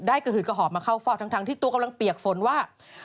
กระหืดกระหอบมาเข้าเฝ้าทั้งที่ตัวกำลังเปียกฝนว่า